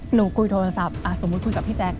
หนูคุยโทรศัพท์สมมุติคุยกับพี่แจ๊ค